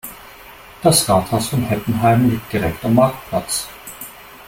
Das Rathaus von Heppenheim liegt direkt am Marktplatz.